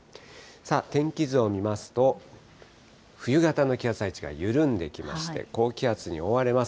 天気図を見ますと、冬型の気圧配置が緩んできまして、高気圧に覆われます。